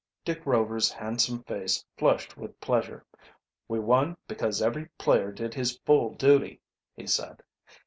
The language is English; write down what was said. Dick Rover's handsome face flushed with pleasure. "We won because every player did his full duty," he said.